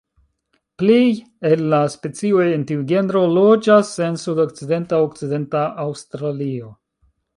Plej el la specioj en tiu genro loĝas en sudokcidenta Okcidenta Aŭstralio.